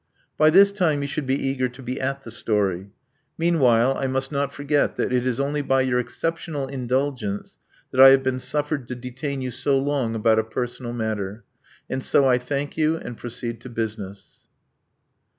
By this time you should be eager to be at the story. Meanwhile I must not forget that it is only by your exceptional indulgence that I have been suffered to detain you so long about a personal matter; and so I thank you and proceed to business.